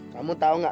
kamu tau gak